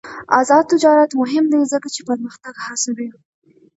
آزاد تجارت مهم دی ځکه چې پرمختګ هڅوي.